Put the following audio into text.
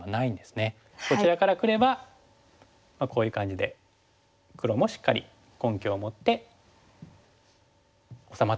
こちらからくればこういう感じで黒もしっかり根拠を持って治まっておくと。